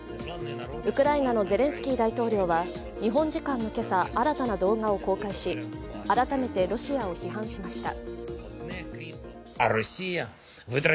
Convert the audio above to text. ウクライナのゼレンスキー大統領は日本時間の今朝、新たな動画を公開し改めてロシアを批判しました。